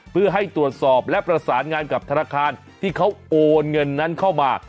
เพื่อให้ตรวจสอบและประสานงานกับธนาคารที่เขาโอนเงินนั้นเข้ามา